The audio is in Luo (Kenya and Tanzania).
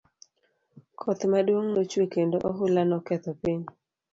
Koth maduong' nochwe kendo ohula noketho piny.